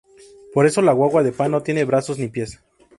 Por eso la guagua de pan no tiene brazos ni pies.